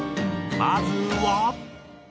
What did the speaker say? まずは。